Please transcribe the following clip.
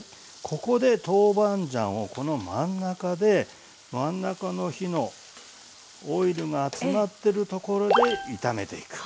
ここで豆板醤をこの真ん中で真ん中の火のオイルが集まってるところで炒めていく。